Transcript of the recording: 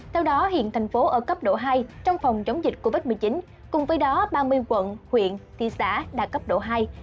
theo đó hiện thành phố ở cấp độ hai trong phòng chống dịch covid một mươi chín cùng với đó ba mươi quận huyện thị xã đạt cấp độ hai